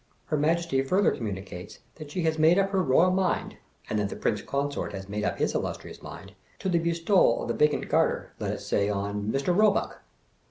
Her Majesty further communicates that she has made up her royal mind (and that the Prince Consort has made up his illustrious mind) to the bestowal of the vacant Garter, let us say on Mr. Roebuck.